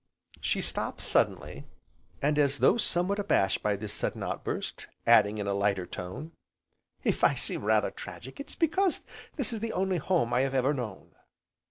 She stopped suddenly, and as though somewhat abashed by this sudden outburst, adding in a lighter tone: "If I seem rather tragic it is because this is the only home I have ever known."